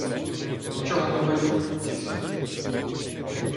— Нічого не виджу, цісарю.